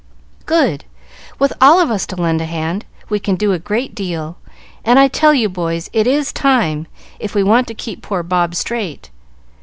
"Good! With all of us to lend a hand, we can do a great deal; and I tell you, boys, it is time, if we want to keep poor Bob straight.